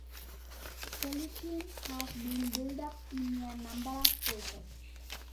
Collydean has been built up in a number of phases.